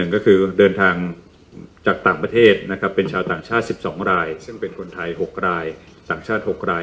ก็คือเดินทางจากต่างประเทศนะครับเป็นชาวต่างชาติ๑๒รายซึ่งเป็นคนไทย๖รายต่างชาติ๖ราย